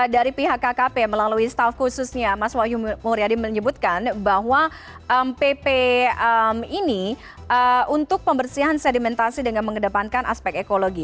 dari pihak kkp melalui staff khususnya mas wahyu muryadi menyebutkan bahwa pp ini untuk pembersihan sedimentasi dengan mengedepankan aspek ekologi